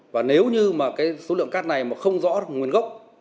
và nếu như số lượng cát này không rõ nguồn gốc